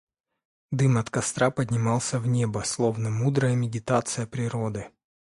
Дым от костра поднимался в небо, словно мудрая медитация природы.